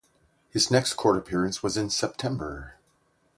His next court appearance was in September.